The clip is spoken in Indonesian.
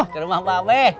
ke rumah pak peh